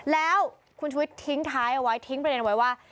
แล้วคุณชุวิตทิ้งท้ายเอาไว้ทิ้งประเด็นไว้ว่า